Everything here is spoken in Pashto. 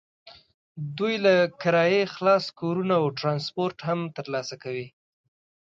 دوی له کرایې خلاص کورونه او ټرانسپورټ هم ترلاسه کوي.